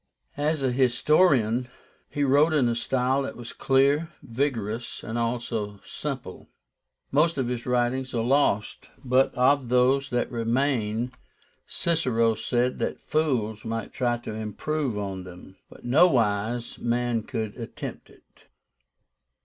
As a historian, he wrote in a style that was clear, vigorous, and also simple. Most of his writings are lost; but of those that remain Cicero said that fools might try to improve on them, but no wise man would attempt it.